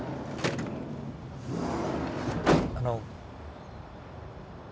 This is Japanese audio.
あの。